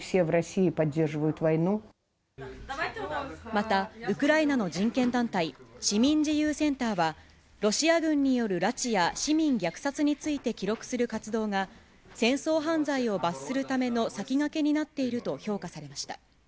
また、ウクライナの人権団体、市民自由センターは、ロシア軍による拉致や市民虐殺について記録する活動が、戦争犯罪を罰するための先駆けになっていると評価されました。